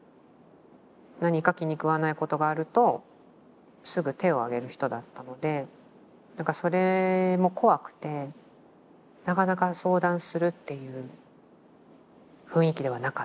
何か気にくわないことがあるとすぐ手を上げる人だったのでなんかそれも怖くてなかなか相談するっていう雰囲気ではなかったですね。